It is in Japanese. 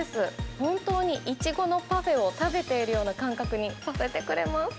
本当にいちごのパフェを食べているような感覚にさせてくれます。